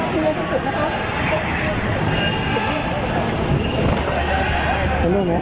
สวัสดีครับ